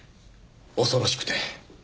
恐ろしくて。